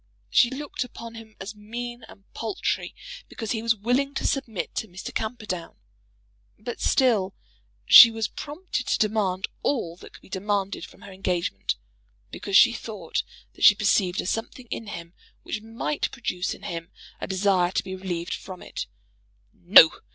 She looked upon him as mean and paltry because he was willing to submit to Mr. Camperdown. But still she was prompted to demand all that could be demanded from her engagement, because she thought that she perceived a something in him which might produce in him a desire to be relieved from it. No!